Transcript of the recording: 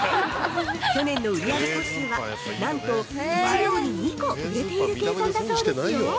去年の売上個数は、なんと１秒に２個売れている計算だそうですよ！